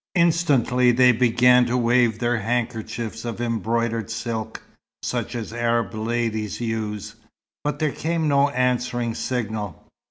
Instantly they began to wave their handkerchiefs of embroidered silk, such as Arab ladies use. But there came no answering signal.